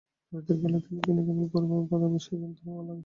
ললিতা কহিল, তিনি কিনা কেবলই গৌরবাবুর কথাই বলেন, সেইজন্য তোমার ভালো লাগে।